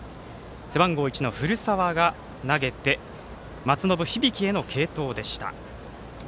背番号１の古澤が投げて松延響への継投でした。